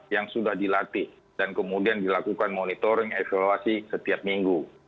yang sudah dilatih dan kemudian dilakukan monitoring evaluasi setiap minggu